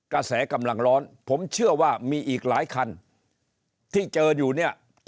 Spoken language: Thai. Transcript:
กำลังร้อนผมเชื่อว่ามีอีกหลายคันที่เจออยู่เนี่ย